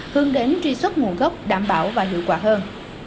hướng đến truy xuất nguồn gốc đảm bảo và hiệu quả hơn